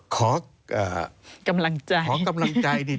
ขอกำลังใจ